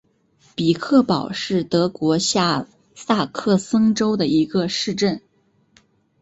比克堡是德国下萨克森州的一个市镇。